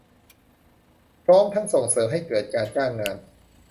พร้อมทั้งส่งเสริมให้เกิดการจ้างงาน